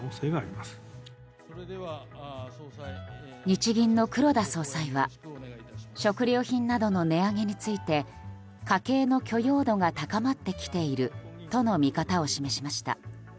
日銀の黒田総裁は食料品などの値上げについて家計の許容度が高まってきているとの見方を示しました。